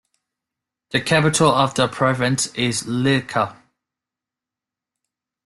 The capital of the province is Llica.